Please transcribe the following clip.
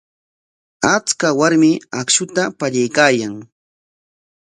Achka warmi akshuta pallaykaayan.